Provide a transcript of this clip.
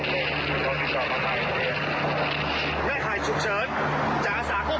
ท่านกำลังรู้สึกเหมือนดิฉันไหมคะว่า